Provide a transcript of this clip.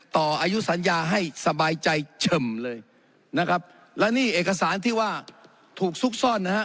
ต่ออายุสัญญาให้สบายใจเฉิ่มเลยนะครับและนี่เอกสารที่ว่าถูกซุกซ่อนนะฮะ